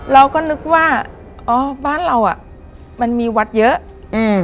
เราก็นึกว่าอ๋อบ้านเราอ่ะมันมีวัดเยอะอืม